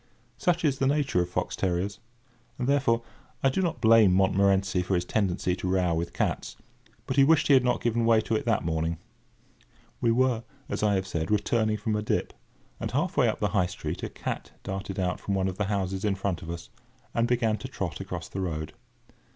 Such is the nature of fox terriers; and, therefore, I do not blame Montmorency for his tendency to row with cats; but he wished he had not given way to it that morning. We were, as I have said, returning from a dip, and half way up the High Street a cat darted out from one of the houses in front of us, and began to trot across the road.